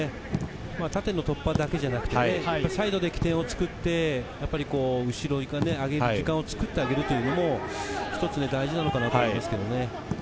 縦の突破だけではなくてサイドで起点を作って、後ろがあげる時間を作ってあげるのも一つ大事なのかと思います。